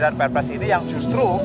dan ppres ini yang justru